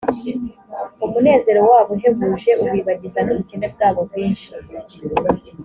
umunezero wabo uhebuje ubibagiza n’ubukene bwabo bwinshi